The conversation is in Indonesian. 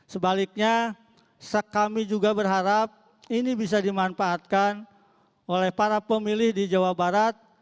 sebaliknya kami juga berharap ini bisa dimanfaatkan oleh para pemilih di jawa barat